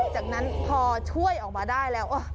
จากนั้นพอช่วยออกมาได้แล้ว